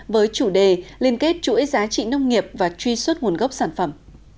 với chủ đề liên kết chuỗi giá trị nông nghiệp và truy xuất nguồn gốc sản phẩm